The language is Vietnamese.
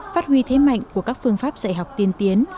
phát huy thế mạnh của các phương pháp dạy học tiên tiến